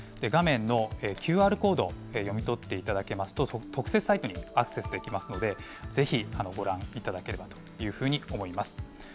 画面のＱＲコード、読み取っていただけますと、特設サイトにアクセスできますので、ぜひご覧いただければというふうに思います。